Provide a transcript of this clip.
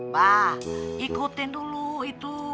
pak ikutin dulu itu